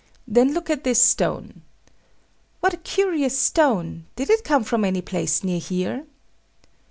Then look at this stone. What a curious stone! Did it come from any place near here?